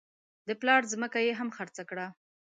د پلار ځمکه یې هم خرڅه کړه.